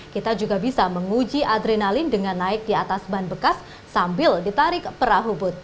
kita juga bisa menguji adrenalin dengan naik di atas ban bekas sambil ditarik perahu but